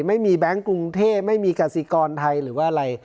แบงค์กรุงเทพไม่มีกสิกรไทยหรือว่าอะไร